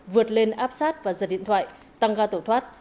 vượt lên áp sát và giật điện thoại tăng ra tổ thoát